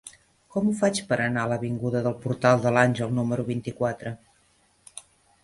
Com ho faig per anar a l'avinguda del Portal de l'Àngel número vint-i-quatre?